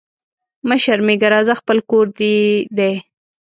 مه شرمېږه راځه خپل کور دي دی